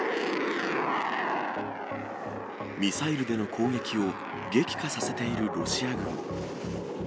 ミサイルでの攻撃を激化させているロシア軍。